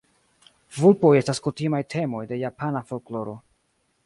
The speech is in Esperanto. Vulpoj estas kutimaj temoj de japana folkloro.